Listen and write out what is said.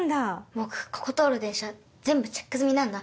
僕ここ通る電車全部チェック済みなんだ。